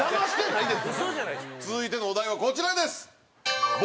続いてのお題はこちらです。